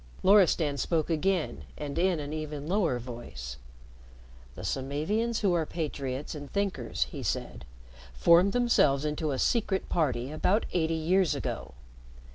Loristan spoke again and in an even lower voice. "The Samavians who are patriots and thinkers," he said, "formed themselves into a secret party about eighty years ago.